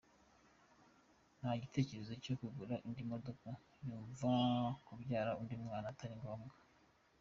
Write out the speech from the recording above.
Nta gitekerezo cyo kugura indi modoka ; yumva kubyara undi mwana atari ngombwa.